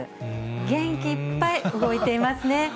元気いっぱい、動いていますね。